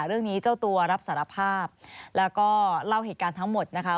เจ้าตัวรับสารภาพแล้วก็เล่าเหตุการณ์ทั้งหมดนะคะ